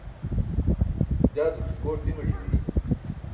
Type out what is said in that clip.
jaa ce guse kooṭ dimac̣i bi